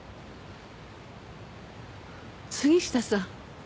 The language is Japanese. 杉下さん。